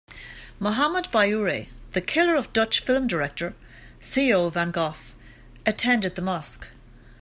Mohammed Bouyeri the killer of Dutch film director Theo van Gogh attended the mosque.